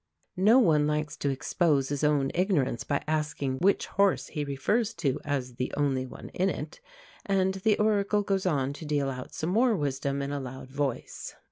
No one likes to expose his own ignorance by asking which horse he refers to as the "only one in it"; and the Oracle goes on to deal out some more wisdom in a loud voice.